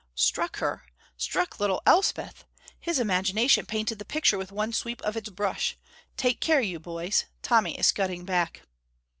Struck her! Struck little Elspeth! His imagination painted the picture with one sweep of its brush. Take care, you boys, Tommy is scudding back.